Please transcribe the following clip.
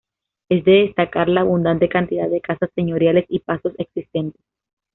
Es de destacar la abundante cantidad de casas señoriales y pazos existentes.